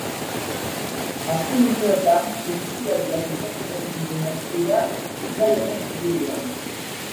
Azken urteotan zientzialariak ikerketak egiten hasi dira gai honen inguruan.